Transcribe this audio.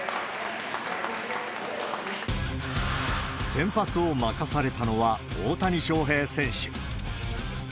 先発を任されたのは、大谷翔平選手。